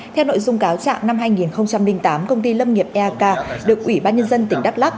theo nội dung cáo trạng năm hai nghìn tám công ty lâm nghiệp eak được ủy ban nhân dân tỉnh đắk lắc